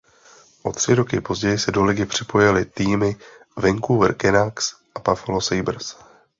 O tři roky později se do ligy připojily týmy Vancouver Canucks a Buffalo Sabres.